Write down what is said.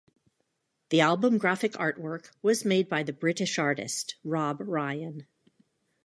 The album graphic artwork was made by the British artist Rob Ryan.